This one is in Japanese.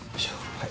はい。